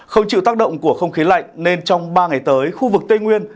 không chịu tác động của không khí lạnh nên trong ba ngày tới khu vực tây nguyên